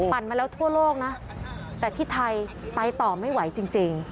มาแล้วทั่วโลกนะแต่ที่ไทยไปต่อไม่ไหวจริง